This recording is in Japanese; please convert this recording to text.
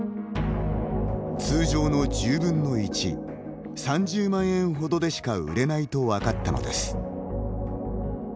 通常の１０分の１３０万円ほどでしか売れないと分かったのです。